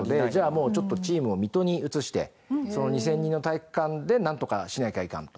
もうちょっとチームを水戸に移してその２０００人の体育館でなんとかしなきゃいかんと。